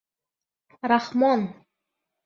Рахмон —